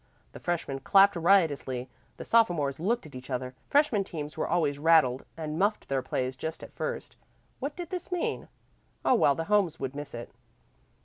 The freshmen clapped riotously. The sophomores looked at each other. Freshman teams were always rattled, and "muffed" their plays just at first. What did this mean? Oh, well, the homes would miss it.